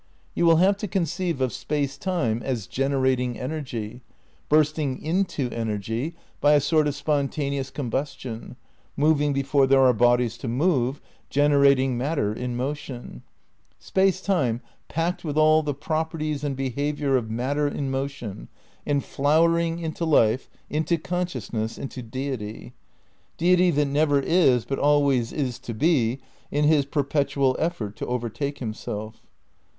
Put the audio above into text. You will have to conceive of Space Time as generating energy, bursting into energy by a sort of spontaneous combus tion, moving before there are bodies to move, generat ing matter in motion ; Space Time packed with all the properties and behaviour of matter in motion, and flow ering into life, into consciousness, into Deity. Deity that never is but always is to be, in his perpetual effort to overtake himself.